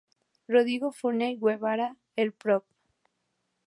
Rodrigo Fournier Guevara, el Pbro.